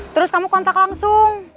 terus kamu kontak langsung